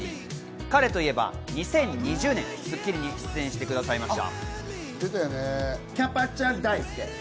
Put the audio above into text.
彼といえば２０２０年『スッキリ』に出演してくださいました。